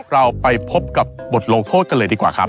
เราไปพบกับบทลงโทษกันเลยดีกว่าครับ